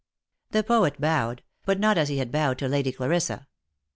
The poet bowed, but not as he had bowed to Lady Clarissa.